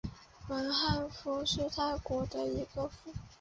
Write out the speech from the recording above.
汶干府是泰国的一个府。